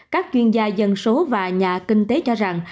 các chuyên gia dân số và nhà kinh tế cho rằng